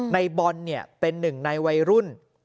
ในบอลเป็นหนึ่งในวัยรุ่น